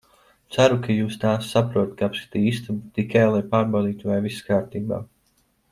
Ceru, ka jūsu tēvs saprot, ka apskatīju istabu tikai, lai pārbaudītu, vai viss kārtībā.